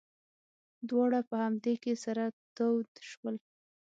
دواړه په همدې کې سره تود شول.